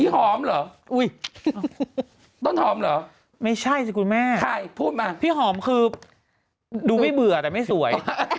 อีหอมเหรอต้นหอมเหรอพี่หอมคือดูไม่เบื่อแต่ไม่สวย